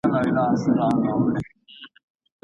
په بديو کي د نجلۍ ورکول هيڅکله روا نه دي.